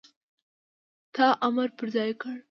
تا امر پر ځای کړ،